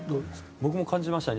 僕も感じましたね。